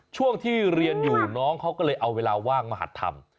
ช่วงที่เรียนอยู่น้องเขาก็เลยเอาเวลาว่างมาหัดทำ